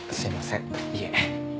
いえ。